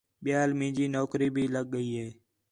ٻِیال مینجی نوکری بھی لڳ ڳئی ہِے